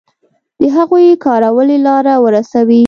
د هغوی کارولې لاره ورسوي.